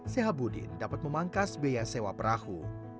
sehabudin dapat memangkas biaya sewa perahu